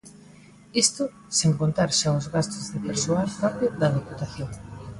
Isto sen contar xa os gastos de persoal propio da Deputación.